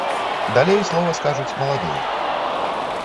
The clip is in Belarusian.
Далей слова скажуць маладыя.